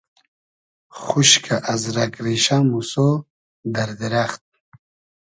خوشکۂ از رئگ ریشۂ , موسۉ , دئر دیرئخت